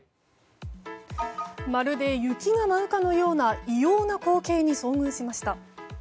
まるで雪が舞うかのような異様な光景に遭遇しました。